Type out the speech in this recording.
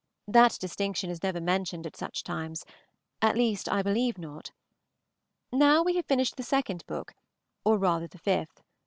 That distinction is never mentioned at such times; at least, I believe not. Now we have finished the second book, or rather the fifth.